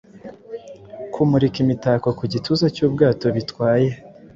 Kumurika imitako ku gituza cyubwato bitwaye